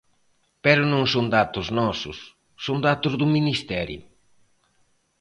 Pero non son datos nosos, son datos do Ministerio.